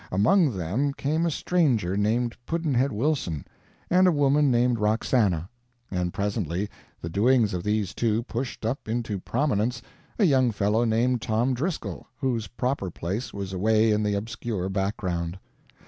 Among them came a stranger named Pudd'nhead Wilson, and a woman named Roxana; and presently the doings of these two pushed up into prominence a young fellow named Tom Driscoll, whose proper place was away in the obscure background.